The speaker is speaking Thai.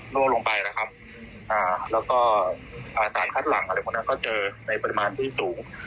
ล่วงลงไปนะครับแล้วก็สารคัดหลังอะไรพวกนั้นก็เจอในปริมาณที่สูง